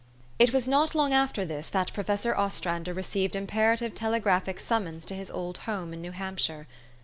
It was not long after this that Professor Ostrander received imperative telegraphic summons to his old home in New Hampshire.